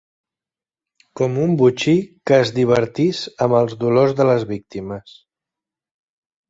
Com un botxí que es divertís amb els dolors de les víctimes.